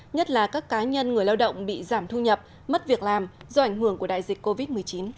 nhất là các cá nhân người lao động bị giảm thu nhập mất việc làm do ảnh hưởng của đại dịch covid một mươi chín